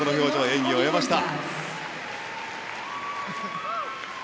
演技を終えました。